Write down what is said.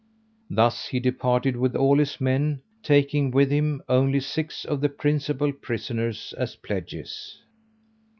Thus he departed with all his men, taking with him only six of the principal prisoners as pledges.